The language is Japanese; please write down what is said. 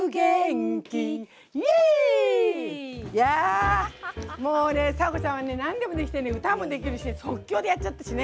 いやもうね佐和子ちゃんはね何でもできてね歌もできるし即興でやっちゃったしね。